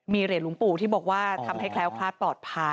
มีเหรียญหลวงปู่ที่บอกว่าทำให้แคล้วคลาดปลอดภัย